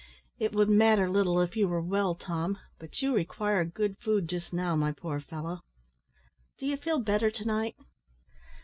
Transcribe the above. It would matter little if you were well, Tom, but you require good food just now, my poor fellow. Do you feel better to night?"